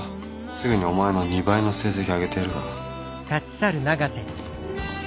すぐにお前の２倍の成績あげてやるから。